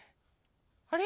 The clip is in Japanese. あれ？